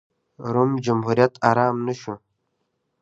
روم جمهوریت ارام نه شو.